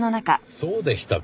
そうでしたか。